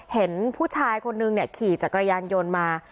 เห็นผู้ชายคนนึงเนี่ยขี่จากกระยานยนต์มา